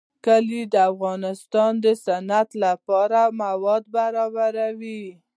کلي د افغانستان د صنعت لپاره مواد برابروي.